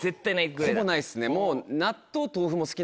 ほぼないですね。